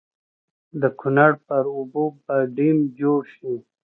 د کنړ پر اوبو به ډېم جوړ شي.